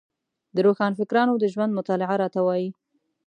د روښانفکرانو د ژوند مطالعه راته وايي.